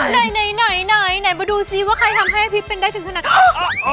ไหนมาดูซิว่าใครทำให้อภิปเป็นได้ถึงขนาดนี้